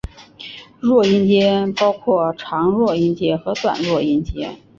弱音节包括长弱音节和短弱音节。